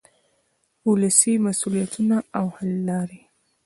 ولسي مسؤلیتونه او حل لارې.